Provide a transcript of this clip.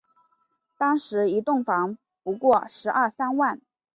当时一栋房不过十二三万